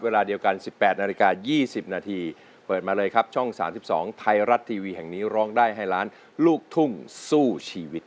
เวลาเดียวกัน๑๘นาฬิกา๒๐นาที